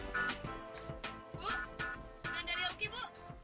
bu jangan darioki bu